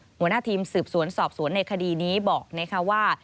หัวหน้าทีมสืบสวนสอบสวนในคดีนี้บอกนะคะว่า